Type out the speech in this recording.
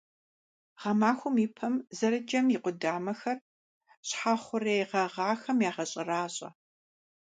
Гъэмахуэм и пэм зэрыджэм и къудамэхэр щхьэ хъурей гъэгъахэм ягъэщӀэращӀэ.